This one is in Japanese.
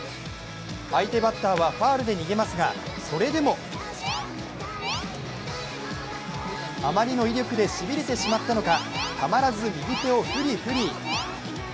相手バッターはファウルで逃げますが、それでもあまりの威力でしびれてしまったのかたまらず右手をフリフリ。